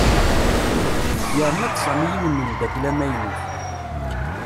Yerna-d Sami yiwen n umeddakel amaynut.